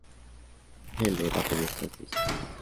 Heller apoyó estas listas.